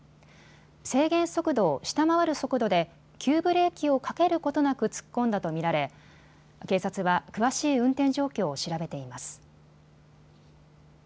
制限速度を下回る速度で急ブレーキをかけることなく突っ込んだと見られ警察は詳しい運転状況を調べています。